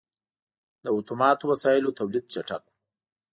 • د اتوماتو وسایلو تولید چټک و.